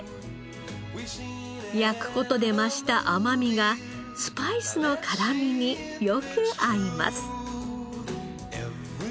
焼く事で増した甘みがスパイスの辛みによく合います。